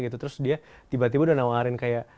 gitu terus dia tiba tiba udah nawarin kayak